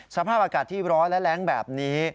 สภาพอากาศที่ร้อนและแรงแบบนี้